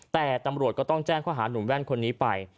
แต่ตำรวจก็ต้องแจ้งข้อหาหนุ่มแว่นคนนี้ไป